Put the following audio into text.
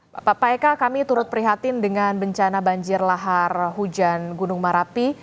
bapak pak eka kami turut prihatin dengan bencana banjir lahar hujan gunung merapi